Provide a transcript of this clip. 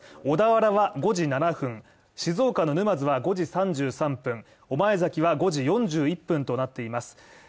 小田原は５時７分、静岡の沼津は５時３３分、御前崎は５時４０分となっています。